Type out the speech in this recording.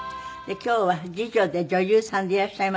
今日は次女で女優さんでいらっしゃいます